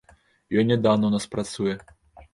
Ён нядаўна ў нас працуе.